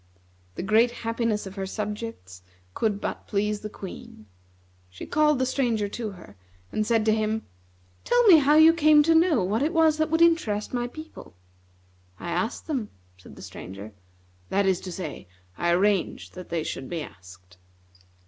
The great happiness of her subjects could but please the Queen. She called the Stranger to her, and said to him: "Tell me how you came to know what it was that would interest my people." "I asked them," said the Stranger. "That is to say, I arranged that they should be asked."